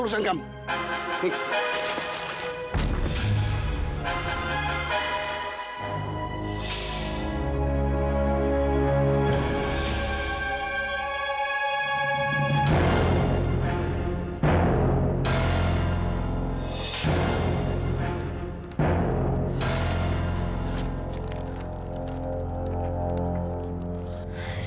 aku pernah menangis